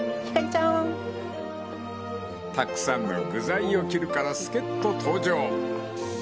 ［たくさんの具材を切るから助っ人登場］